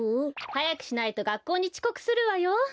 はやくしないとがっこうにちこくするわよ。